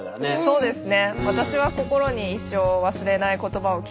そうですね。